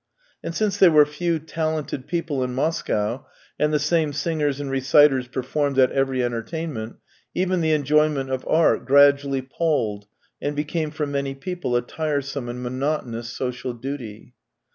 And since there were few talented people in Moscow, and the same singers and reciters performed at every entertainment, even the enjoyment of art gradually palled and became for many people a tiresome and monotonous social duty.